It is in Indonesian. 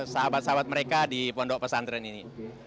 sahabat sahabat mereka di pondok pesantren ini